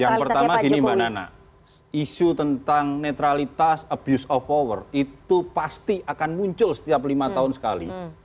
yang pertama gini mbak nana isu tentang netralitas abuse of power itu pasti akan muncul setiap lima tahun sekali